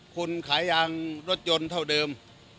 คุณขายยางรถยนต์เท่าเดิม